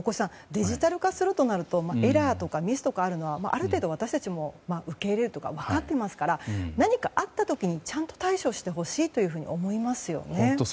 デジタル化するとなるとエラーとかミスとかあるのはある程度私たちも分かっていますから何かあった時にちゃんと対処してほしいと思いますね。